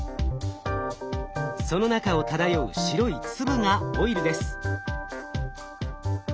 その中を漂う白い粒がオイルです。